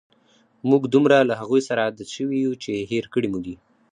موږ دومره له هغوی سره عادی شوي یو، چې هېر کړي مو دي.